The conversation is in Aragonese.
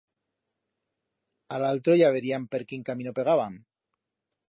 A l'altro ya veríam per quín camino pegábam.